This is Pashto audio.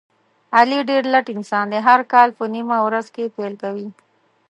علي ډېر لټ انسان دی، هر کار په نیمه ورځ کې پیل کوي.